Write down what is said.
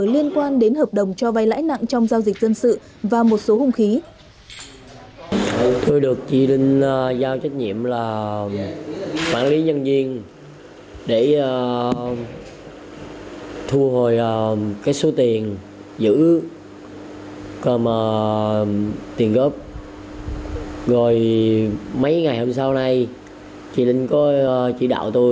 liên quan đến hợp đồng cho vay lãi nặng trong giao dịch dân sự và một số hùng khí